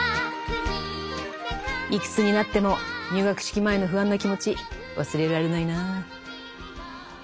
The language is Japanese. いくつになっても入学式前の不安な気持ち忘れられないなぁ。